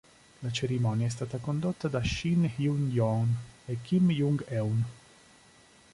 La cerimonia è stata condotta da Shin Hyun-joon e Kim Jung-eun.